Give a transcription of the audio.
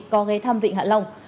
có gây thăm vịnh hạ long